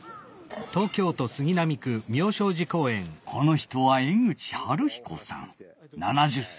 この人は江口晴彦さん７０歳。